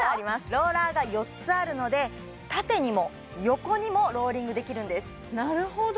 ローラーが４つあるので縦にも横にもローリングできるんですなるほど！